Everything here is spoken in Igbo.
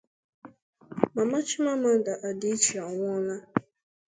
Mama Chimamanda Adichie Anwụọla